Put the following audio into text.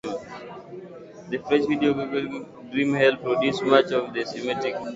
The French video game studio Quantic Dream helped produce much of the cinematics.